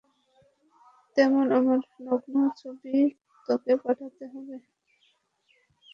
যেমন আমার নগ্ন ছবি তাকে পাঠাতে হবে, কিংবা আরও টাকা দিতে হবে।